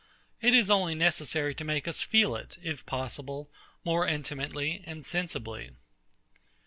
It is only necessary to make us feel it, if possible, more intimately and sensibly.